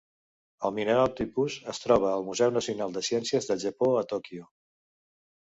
El mineral tipus es troba al Museu Nacional de Ciències del Japó a Tòquio.